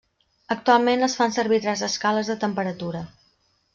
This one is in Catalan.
Actualment es fan servir tres escales de temperatura.